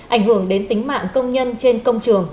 ảnh hưởng đến tính mạng công nhân trên công trường